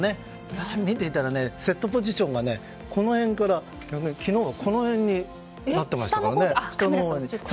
見ていたら、セットポジションがこの辺から昨日は下のほうになっていましたね。